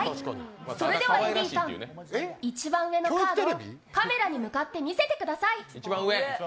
それではＡＤさん、一番上のカードをカメラに向かって見せてください。